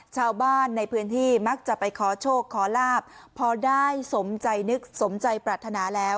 ชาวบ้านในพื้นที่มักจะไปขอโชคขอลาบพอได้สมใจนึกสมใจปรารถนาแล้ว